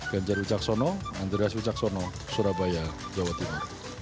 genjar wicaksono andreas wicaksono surabaya jawa timur